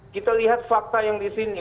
kita lihat fakta yang di sini